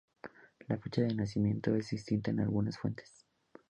La fecha de nacimiento es distinta en algunas fuentes.